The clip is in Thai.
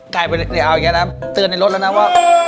ไก่ไปเดี๋ยวเอาอีกอีกนะเตือนในรถแล้วนะว่า